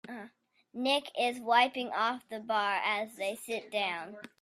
Nick is wiping off the bar as they sit down.